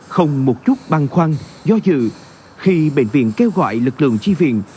không một chút băng khoăn do dự khi bệnh viện kêu gọi lực lượng tri viện